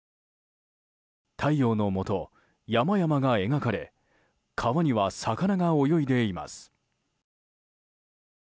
太陽のもと山々が描かれ川には魚が泳いでいます。